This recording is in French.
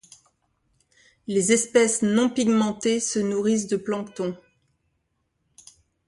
Les espèces non pigmentées se nourrissent de plancton.